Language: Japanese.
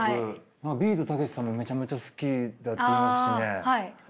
ビートたけしさんもめちゃめちゃ好きだっていいますしね。